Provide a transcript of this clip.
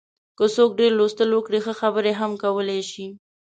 که څوک ډېر لوستل وکړي، ښه خبرې هم کولای شي.